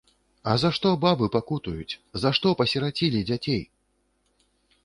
А за што бабы пакутуюць, за што пасірацілі дзяцей!